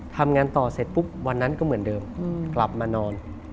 ทำงานต่อเสร็จปุ๊บวันนั้นก็เหมือนเดิมกลับมานอน